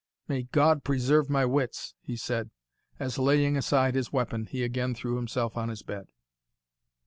"May God preserve my wits!" he said, as, laying aside his weapon, he again threw himself on his bed.